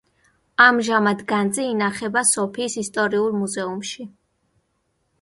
ამჟამად განძი ინახება სოფიის ისტორიულ მუზეუმში.